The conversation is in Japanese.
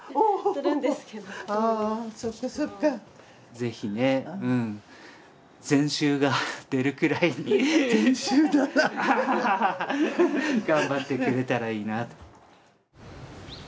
是非ねうん全集が出るくらいに頑張ってくれたらいいなと。